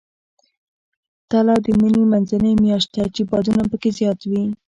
تله د مني منځنۍ میاشت ده، چې بادونه پکې زیات وي.